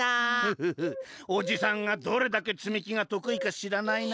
フフフおじさんがどれだけつみきがとくいかしらないな？